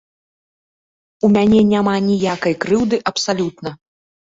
У мяне няма ніякай крыўды абсалютна.